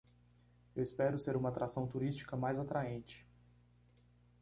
Eu espero ser uma atração turística mais atraente